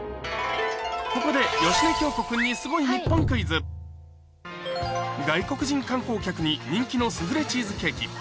ここで芳根京子君に外国人観光客に人気のスフレチーズケーキ